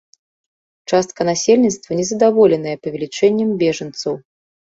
Частка насельніцтва незадаволеная павелічэннем бежанцаў.